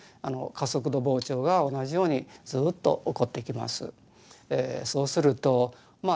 加速度膨張が同じようにずっと起こってきます。